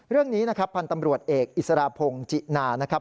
เรื่องนี้นะครับพันธ์ตำรวจเอกอิสระพงศ์จินานะครับ